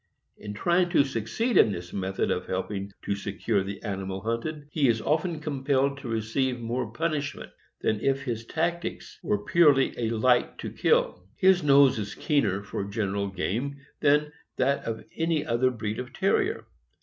In trying to succeed in this method of helping to secure the animal hunted, he is often compelled to receive more punishment than if his tactics were purely a light to kill. His nose is keener for general game than that of any other breed of Terrier.